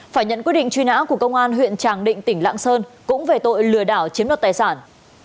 phải nhận quyết định truy nã của công an huyện tràng định tỉnh lạng sơn cũng về tội lừa đảo chiếm đoạt tài sản